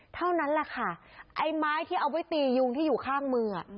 เท่านั้นแหละค่ะไอ้ไม้ที่เอาไว้ตียุงที่อยู่ข้างมือ